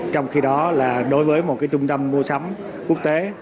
trong khi đó là đối với một trung tâm mua sắm quốc tế